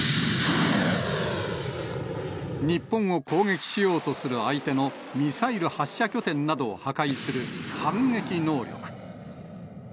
日本を攻撃しようとする相手のミサイル発射拠点などを破壊する反撃能力。